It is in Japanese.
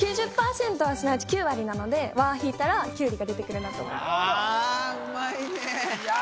９０％はすなわち９割なので「わ」を引いたらキュウリが出てくるなと思ってあ